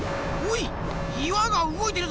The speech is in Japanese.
いわがうごいてるぞ！